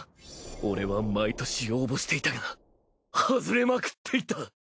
俺は毎年応募していたがはずれまくっていた！